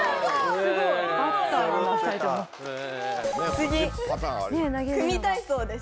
次組み体操です。